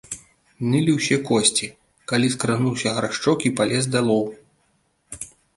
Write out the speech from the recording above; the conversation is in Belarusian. Нылі ўсе косці, калі скрануўся Гаршчок і палез далоў.